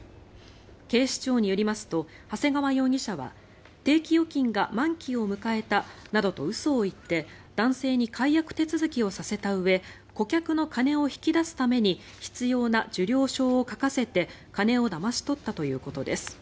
警視庁によりますと長谷川容疑者は定期預金が満期を迎えたなどと嘘を言って男性に解約手続きをさせたうえ顧客の金を引き出すために必要な受領証を書かせて、金をだまし取ったということです。